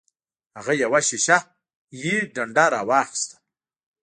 هغه یوه شیشه یي ډنډه راواخیسته.